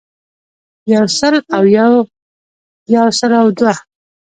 يو سل او يو يو سل او دوه